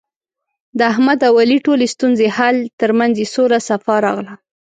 د احمد او علي ټولې ستونزې حل، ترمنځ یې سوله صفا راغله.